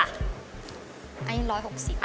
อันนี้๑๖๐บาท